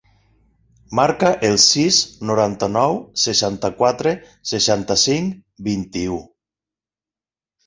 Marca el sis, noranta-nou, seixanta-quatre, seixanta-cinc, vint-i-u.